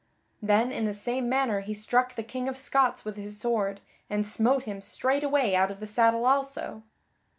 Then in the same manner he struck the King of Scots with his sword, and smote him straightway out of the saddle also.